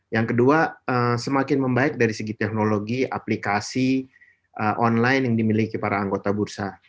yang kedua semakin membaik dari segi teknologi aplikasi online yang dimiliki para anggota bursa